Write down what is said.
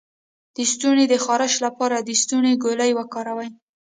د ستوني د خارش لپاره د ستوني ګولۍ وکاروئ